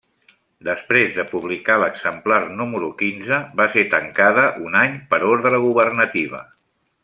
Després de publicar l'exemplar número quinze, va ser tancada un any per ordre governativa.